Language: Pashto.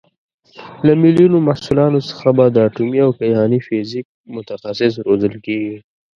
له میلیون محصلانو څخه به د اټومي او کیهاني فیزیک متخصص روزل کېږي.